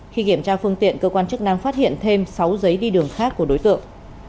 khi kiểm tra phương tiện cơ quan chức năng phát hiện thêm sáu giấy đi đường khác của đối tượng